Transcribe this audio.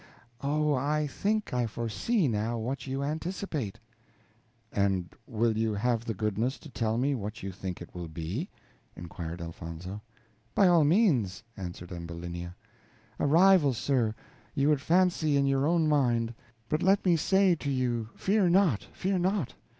Oh, I think I foresee, now, what you anticipate." "And will you have the goodness to tell me what you think it will be?" inquired Elfonzo. "By all means," answered Ambulinia; "a rival, sir, you would fancy in your own mind; but let me say for you, fear not! fear not!